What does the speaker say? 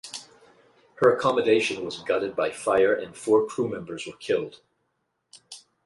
Her accommodation was gutted by fire and four crewmembers were killed.